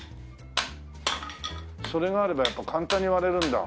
それがあればやっぱ簡単に割れるんだ。